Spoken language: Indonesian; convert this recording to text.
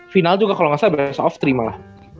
final juga kalo nggak salah best of tiga malah